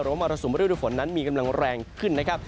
มรสุมฤดูฝนนั้นมีกำลังแรงขึ้นนะครับ